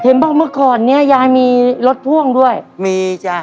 บอกเมื่อก่อนเนี้ยยายมีรถพ่วงด้วยมีจ้ะ